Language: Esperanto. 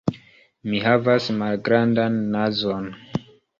Mi havas malgrandan nazon.